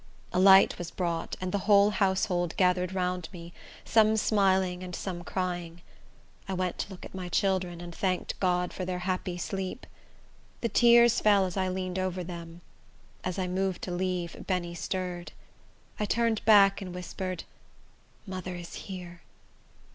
A light was brought, and the whole household gathered round me, some smiling and some crying. I went to look at my children, and thanked God for their happy sleep. The tears fell as I leaned over them. As I moved to leave, Benny stirred. I turned back, and whispered, "Mother is here."